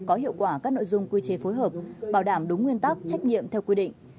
có hiệu quả các nội dung quy chế phối hợp bảo đảm đúng nguyên tắc trách nhiệm theo quy định